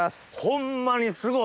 ホンマにすごい！